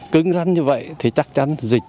cứng rắn như vậy thì chắc chắn dịch